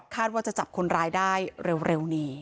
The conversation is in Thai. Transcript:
ว่าจะจับคนร้ายได้เร็วนี้